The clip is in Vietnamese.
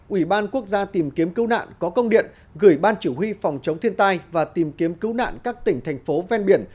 ủy ban quốc gia tìm kiếm cứu nạn có công điện gửi ban chỉ huy phòng chống thiên tai và tìm kiếm cứu nạn các tỉnh thành phố ven biển